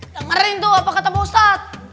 dengerin tuh apa kata pak ustadz